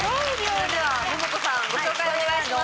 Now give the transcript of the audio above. それではモモコさんご紹介お願いします。